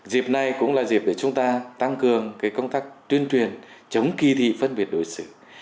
dịp này cũng là dịp để chúng ta tăng cường công tác tuyên truyền chống kỳ thị phân biệt đối xử